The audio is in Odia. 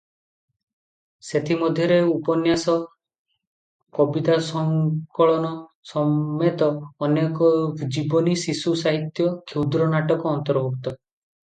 ସେଥିମଧ୍ୟରେ ଉପନ୍ୟାସ, କବିତା ସଂକଳନ ସମେତ ଅନେକ ଜୀବନୀ, ଶିଶୁ ସାହିତ୍ୟ, କ୍ଷୁଦ୍ର ନାଟକ ଅନ୍ତର୍ଭୁକ୍ତ ।